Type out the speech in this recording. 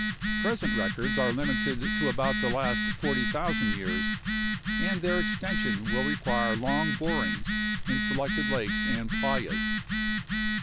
Present records are limited to about the last 40,000 years, and their extension will require long borings in selected lakes and playas.